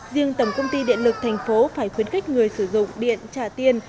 riêng tổng công ty điện lực tp hcm phải khuyến khích người sử dụng điện trả tiền